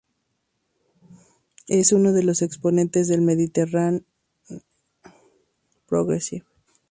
Es uno de los exponentes del "mediterranean progressive".